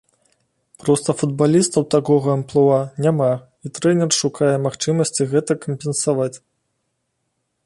Проста футбалістаў такога амплуа няма, і трэнер шукае магчымасці гэта кампенсаваць.